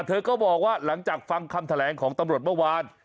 เธอก็บอกว่าหลังจากฟังคำแถลงของตำรวจเมื่อวาน